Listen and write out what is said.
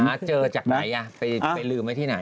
หาเจอจากไหนปลื้มไอ้ที่ไหน